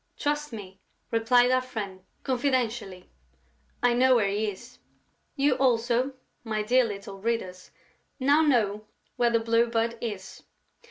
"Trust me," replied our friend, confidentially. "I now know where he is." You also, my dear little readers, now know where the Blue Bird is.